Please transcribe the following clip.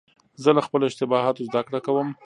زه له خپلو اشتباهاتو زدهکړه کوم.